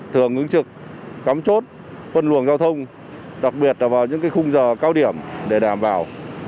thường ứng trực cắm chốt phân luồng giao thông đặc biệt là vào những khung giờ cao điểm để đảm bảo